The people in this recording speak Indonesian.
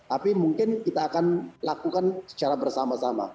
tapi mungkin kita akan lakukan secara bersama sama